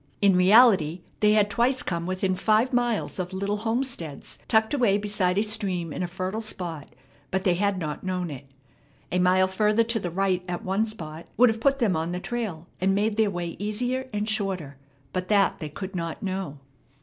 In reality they had twice come within five miles of little homesteads, tucked away beside a stream in a fertile spot; but they had not known it. A mile further to the right at one spot would have put them on the trail and made their way easier and shorter, but that they could not know.